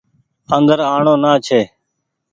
اندر آڻو نآ ڇي۔